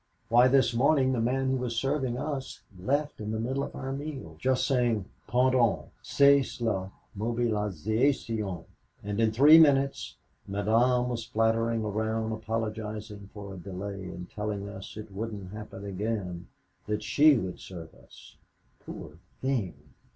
Why, this morning the man who was serving us left in the middle of our meal, just saying 'Pardon, c'est la mobilization,' and in three minutes Madame was fluttering around apologizing for a delay and telling us it wouldn't happen again, that she would serve us. Poor thing!